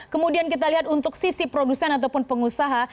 kemudian kita lihat untuk sisi produsen ataupun pengusaha